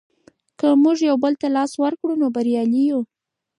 که موږ یو بل ته لاس ورکړو نو بریالي یو.